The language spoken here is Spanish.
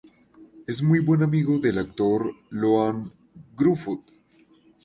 Es muy buen amigo del actor Ioan Gruffudd.